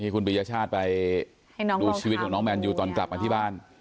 คุณปียชาติไปดูชีวิตของน้องแมนยูตอนกลับมาที่บ้าน